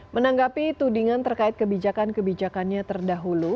menanggapi tudingan terkait kebijakan kebijakannya terdahulu